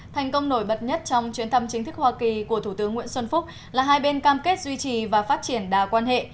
thành công nổi bật nhất trong chuyến thăm chính thức hoa kỳ của thủ tướng nguyễn xuân phúc là hai bên cam kết duy trì và phát triển đà quan hệ